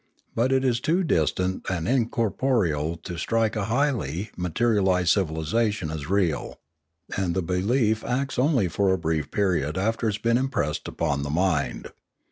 But it is too distant and incorporeal to strike a highly materialised civilisation as real; and the belief acts only for a brief period after it has been impressed upon the mind.